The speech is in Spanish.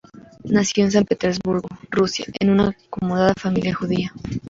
Nació en San Petersburgo, Rusia, en una acomodada familia judía.